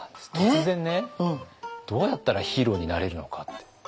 突然ねどうやったらヒーローになれるのかって。